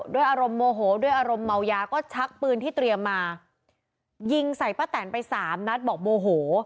ด้วยอารมณ์โมโหด้วยอารมณ์เมายาก็ชักปืนที่เตรียมมายิงใส่ป้าแตนไปสามนัดบอกโมโห